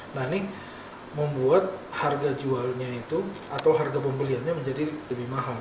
nah ini membuat harga jualnya itu atau harga pembeliannya menjadi lebih mahal